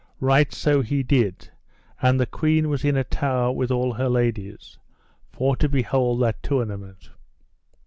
Right so he did; and the queen was in a tower with all her ladies, for to behold that tournament.